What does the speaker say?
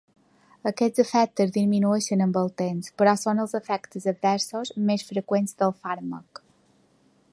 Aquests efectes disminueixen amb el temps, però són els efectes adversos més freqüents del fàrmac.